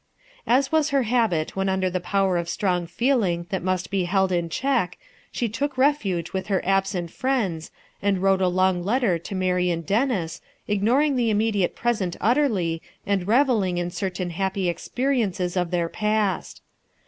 ^s was her habit when under the power of strong feeling that must be held in check she took refuge with her absent friends, and wrote a long letter to Marian Dennis, ignoring the immediate present utterly and revelling in certain happy experiences of their past.